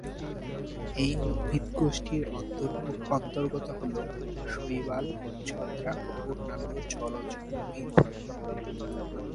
এই উদ্ভিদ গোষ্ঠীর অন্তর্গত হল শৈবাল, ছত্রাক ও অন্যান্য জলজ উদ্ভিদ।